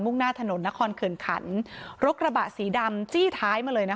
่งหน้าถนนนครเขินขันรถกระบะสีดำจี้ท้ายมาเลยนะคะ